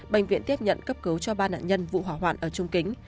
bệnh viện tiếp nhận cấp cứu cho ba nạn nhân vụ hỏa hoạn ở trung kính